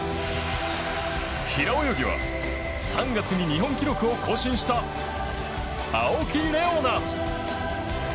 平泳ぎは、３月に日本記録を更新した青木玲緒樹。